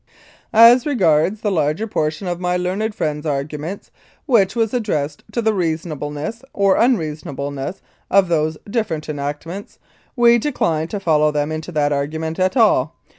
As regards the larger portion of my learned friend's arguments, which was addressed to the reasonable ness or unreasonableness of those different enactments, we decline to follow them into that argument at all.